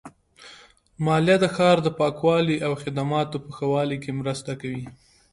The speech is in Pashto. مالیه د ښار د پاکوالي او خدماتو په ښه والي کې مرسته کوي.